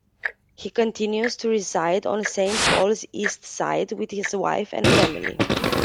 He continues to reside on Saint Paul's East Side with his wife and family.